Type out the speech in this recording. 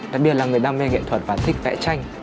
đặc biệt là người đam mê nghệ thuật và thích vẽ tranh